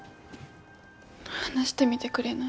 話してみてくれない？